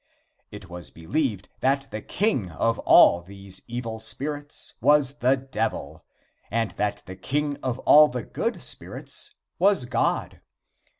It was believed that the king of all these evil spirits was the Devil, and that the king of all the good spirits was God.